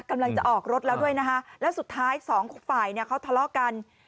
กำลังจะออกรถแล้วด้วยนะคะแล้วสุดท้ายสองฝ่ายเนี่ยเขาทะเลาะกัน